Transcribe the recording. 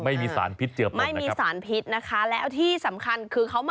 ไม่มีสารพิษเจือพลนะครับนะครับนะครับ